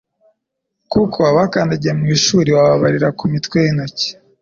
kuko abakandagiye mu ishuri wababarira ku mitwe y'intoki